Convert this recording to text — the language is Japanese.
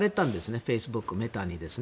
フェイスブック、メタにですね。